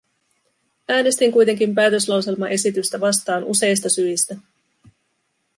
Äänestin kuitenkin päätöslauselmaesitystä vastaan useista syistä.